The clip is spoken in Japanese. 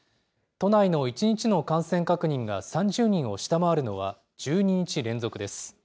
都内の１日の感染確認が３０人を下回るのは１２日連続です。